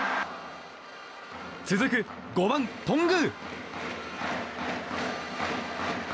続く５番、頓宮。